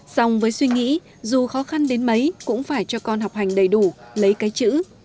sòng với suy nghĩ dù khó khăn đến mấy cũng phải cho con học hành đầy đủ lấy cái chữ